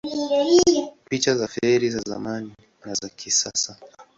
Picha za feri za zamani na za kisasa